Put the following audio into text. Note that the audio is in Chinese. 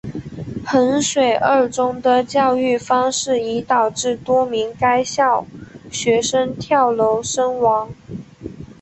衡水二中的教育方式已导致多名该校学生跳楼身亡。